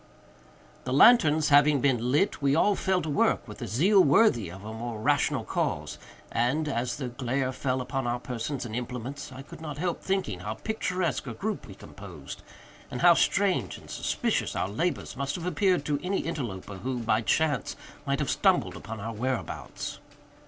The lanterns having been lit, we all fell to work with a zeal worthy a more rational cause; and, as the glare fell upon our persons and implements, I could not help thinking how picturesque a group we composed, and how strange and suspicious our labors must have appeared to any interloper who, by chance, might have stumbled upon our whereabouts.